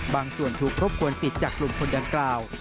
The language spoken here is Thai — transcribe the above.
บางส่วนถูกรบควรศิษย์จากกลุ่มคนดังกล่าว